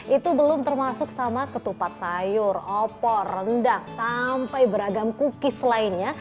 itu belum termasuk sama ketupat sayur opor rendang sampai beragam cookies lainnya